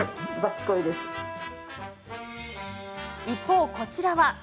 一方、こちらは。